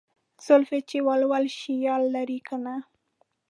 زلفې چې ول ول شي يار لره کنه